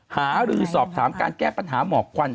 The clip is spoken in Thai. หารือสอบถามการแก้ปัญหาหมอกควัน